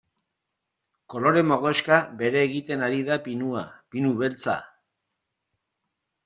Kolore mordoxka bere egiten ari da pinua, pinu beltza.